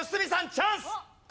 チャンス！